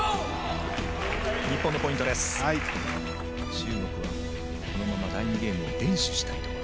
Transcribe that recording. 中国はこのまま第２ゲームを連取したいところ。